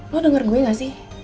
lo denger gue gak sih